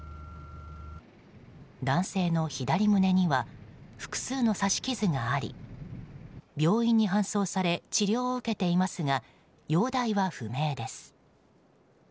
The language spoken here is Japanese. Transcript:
男性の左胸には複数の刺し傷があり病院に搬送され治療を受けていますが容体は不明です。